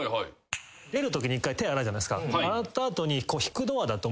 出るときに１回手洗うじゃないっすか。